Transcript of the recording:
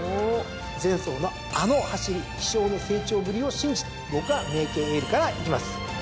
前走のあの走り気性の成長ぶりを信じて僕はメイケイエールからいきます！